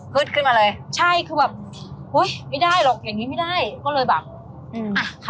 ขึ้นมาเลยใช่คือแบบอุ้ยไม่ได้หรอกอย่างงี้ไม่ได้ก็เลยแบบอืมอ่ะค่ะ